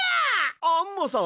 アンモさん？